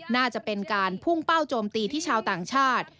น่าจะเป็นการพุ่งเป้าโจมตีที่ชาวต่างชาติ